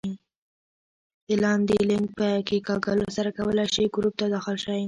د لاندې لینک په کېکاږلو سره کولای شئ ګروپ ته داخل شئ